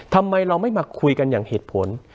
ทำไมเราไม่มาคุยกันอย่างเหตุผล